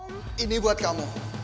om ini buat kamu